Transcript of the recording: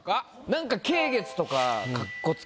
何か「桂月」とか。